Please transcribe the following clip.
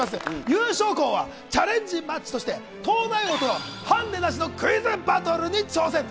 優勝校は、チャレンジマッチとして東大王とのハンデなしのクイズバトルに挑戦。